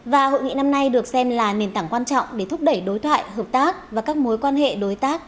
và hội nghị năm nay được xem là nền tảng quan trọng để thúc đẩy đối thoại hợp tác và các mối quan hệ đối tác